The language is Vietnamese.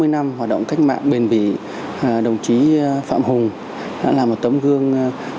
sáu mươi năm hoạt động cách mạng bền vỉ đồng chí phạm hùng đã là một tấm gương